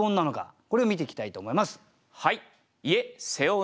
これを見ていきたいと思います。